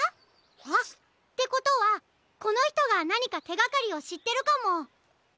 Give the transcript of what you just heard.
あっ！ってことはこのひとがなにかてがかりをしってるかも！